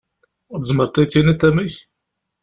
Tzemreḍ ad yi-d-tiniḍ amek?